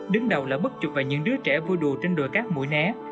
đứng đầu là bức chụp về những đứa trẻ vui đùa trên đồi cát mũi né